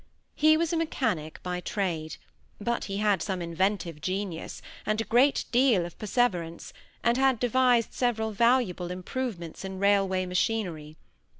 He was a mechanic by trade, but he had some inventive genius, and a great deal of perseverance, and had devised several valuable improvements in railway machinery.